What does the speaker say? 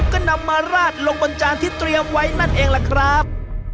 ก็นำมาราดลงบนจานที่เตรียมไว้นั่นเองล่ะครับ